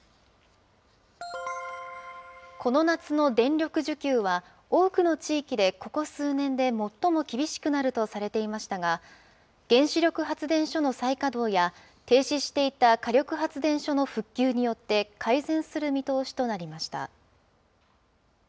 この夏の電力需給は、多くの地域でここ数年で最も厳しくなるとされてきましたが、原子力発電所の再稼働や、停止していた火力発電所の復旧によって、改善する見通しとなりました。